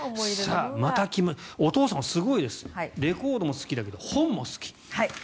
お父様すごいですレコードも好きだけど本も好き。